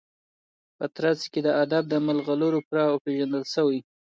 په ترڅ کي د ادب د مرغلرو پوره او پیژندل شوي